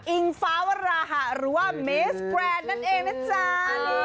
อิงฟ้าวราหะหรือว่าเมสแกรนด์นั่นเองนะจ๊ะ